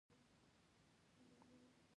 چندان ویجاړوونکي وي، خو زه ځنې وېرېږم.